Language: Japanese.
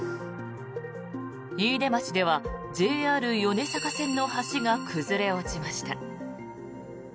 飯豊町ではＪＲ米坂線の橋が崩れ落ちました。